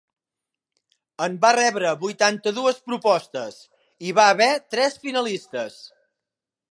En van rebre vuitanta-dues propostes i hi va haver tres finalistes.